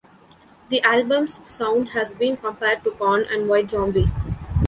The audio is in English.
The album's sound has been compared to Korn and White Zombie.